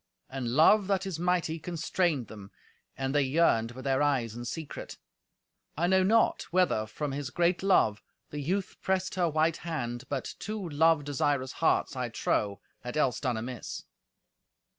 And love that is mighty constrained them, and they yearned with their eyes in secret. I know not whether, from his great love, the youth pressed her white hand, but two love desirous hearts, I trow, had else done amiss.